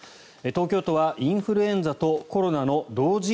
東京都はインフルエンザとコロナの同時